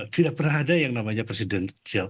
tidak pernah ada yang namanya presidensial